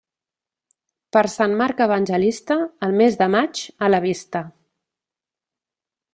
Per Sant Marc Evangelista, el mes de maig a la vista.